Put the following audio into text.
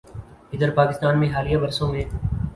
ادھر پاکستان میں حالیہ برسوں میں